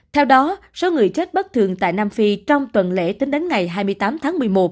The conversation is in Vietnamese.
theo đó số người chết bất thường tại nam phi trong tuần lễ tính đến ngày hai mươi tám tháng một mươi một